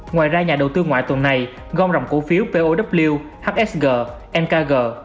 ngoài ra nhà đầu tư ngoại tuần này gom rộng cụ phiếu pow hsg nkg